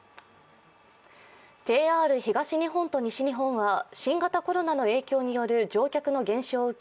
ＪＲ東日本と西日本は新型コロナの影響による乗客の減少を受け